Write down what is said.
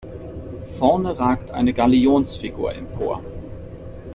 Vorne ragt eine Galionsfigur empor.